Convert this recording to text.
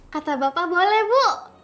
kata bapak boleh bu